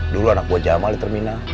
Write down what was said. dulu anak buah jamal di terminal